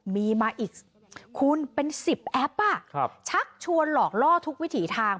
มีมาอีกคุณเป็น๑๐แอปชักชวนหลอกล่อทุกวิถีทาง